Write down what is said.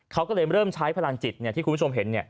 เขาก็เลยเริ่มใช้พลังจิตที่คุณผู้ชมเห็น